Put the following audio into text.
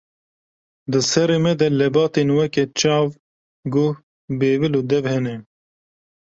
Di serê me de lebatên weke: çav, guh, bêvil û dev hene.